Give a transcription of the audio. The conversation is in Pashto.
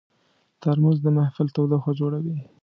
ترموز د محفل تودوخه جوړوي.